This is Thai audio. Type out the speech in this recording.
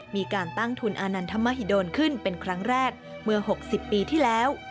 มีการตั้งทุนอานันทมหิดลขึ้นเป็นครั้งแรกเมื่อ๖๐ปีที่แล้ว